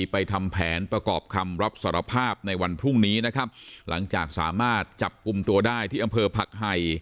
ทำแผนประกอบคำรับสารภาพในวันพรุ่งนี้นะครับหลังจากสามารถจับกลุ่มตัวได้ที่อำเภอผักไห่